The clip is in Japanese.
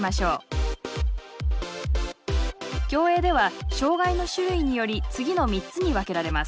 競泳では障害の種類により次の３つに分けられます。